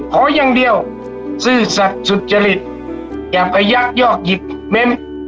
เพราะอย่างเดียวสื่อสัตว์สุจริตอยากไปยักษ์ยอกหยิบเม้ม